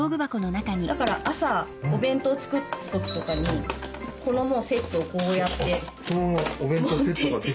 だから朝お弁当作る時とかにこのセットをこうやって持ってって。